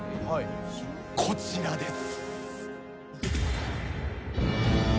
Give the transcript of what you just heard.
こちらです。